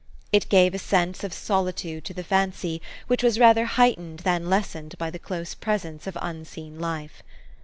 It gave a sense of soli tude to the fancy, which was rather heightened than lessened by the close presence of unseen life.